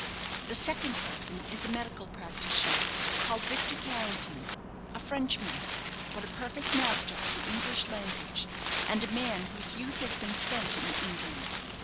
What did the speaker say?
"The second person is a medical practitioner, called Victor Carrington a Frenchman, but a perfect master of the English language, and a man whose youth has been spent in England.